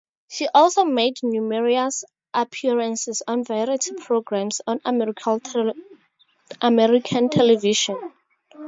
She also made numerous appearances on variety programs on American television.